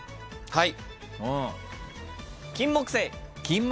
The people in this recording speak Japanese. はい。